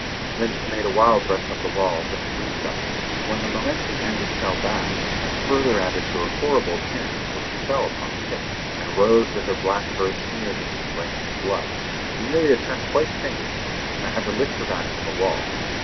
Then she made a wild rush up the wall as if to reach us, but when the momentum ended fell back, and further added to her horrible appearance for she fell on the kitten, and rose with her black fur smeared with its brains and blood. Amelia turned quite faint, and I had to lift her back from the wall.